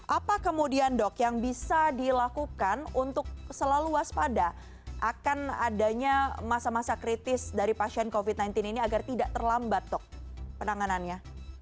apa kemudian dok yang bisa dilakukan untuk selalu waspada akan adanya masa masa kritis dari pasien covid sembilan belas ini agar tidak terlambat dok penanganannya